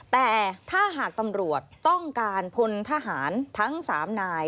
แต่ถ้าหากตำรวจต้องการพลทหารทั้ง๓นาย